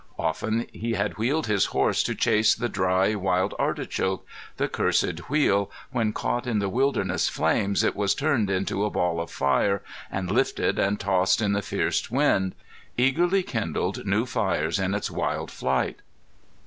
Often he had wheeled his horse to chase the dry wild artichoke the cursèd Wheel, when caught in the wilderness flames it was turned into a ball of fire, and, lifted and tossed in the fierce wind, eagerly kindled new fires in its wild flight.